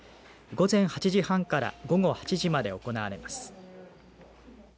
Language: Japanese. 午前８時半から午後８時まで行われます。